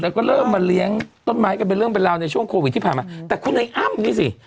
แต่ต้นเขาเป็นเส้นชัดไปนะก้วยตานี